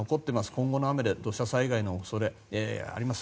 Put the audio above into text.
今後の雨で土砂災害の恐れがあります。